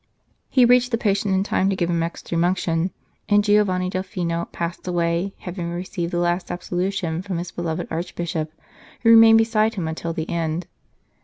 He reached the patient in time to give him Extreme Unction, and Giovanni Delfino passed away having received the last absolution from his beloved Archbishop, who remained beside him until the end.